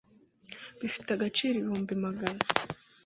bifite agaciro ibihumbi magana